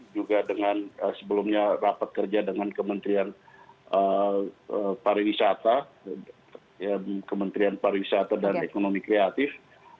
juga dengan sebelumnya rapat kerja dengan kementerian pariwisata kementerian pariwisata dan ekonomi kreatif